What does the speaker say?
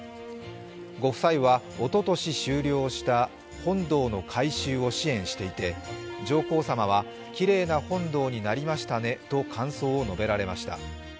ご夫妻はおととし終了した本堂の改修を支援していて上皇さまは、きれいな本堂になりましたねと感想を述べられました。